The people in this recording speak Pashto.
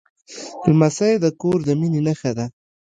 لمسی د کور د مینې نښه ده.